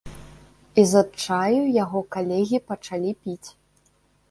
І з адчаю яго калегі пачалі піць.